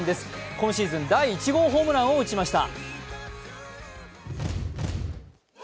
今シーズン第１号ホームランを打ちました。